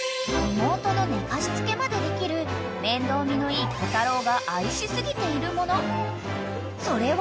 ［妹の寝かしつけまでできる面倒見のいいこたろうが愛し過ぎているものそれは？］